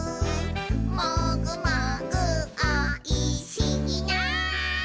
「もぐもぐおいしいな」